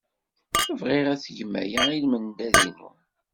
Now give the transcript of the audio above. Bɣiɣ ad tgem aya i lmendad-inu.